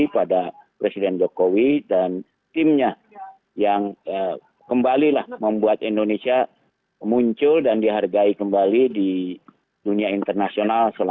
pada presiden jokowi dan timnya yang kembalilah membuat indonesia muncul dan dihargai kembali di dunia internasional